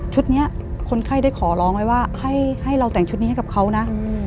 นี้คนไข้ได้ขอร้องไว้ว่าให้เราแต่งชุดนี้ให้กับเขานะ